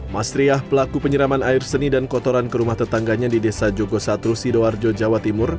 mas riah pelaku penyeraman air seni dan kotoran ke rumah tetangganya di desa jogosatru sidoarjo jawa timur